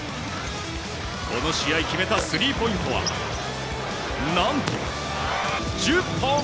この試合決めたスリーポイントは何と１０本！